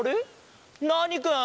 ナーニくん？